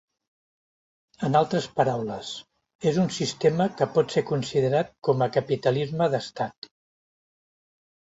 En altres paraules, és un sistema que pot ser considerat com a capitalisme d'Estat.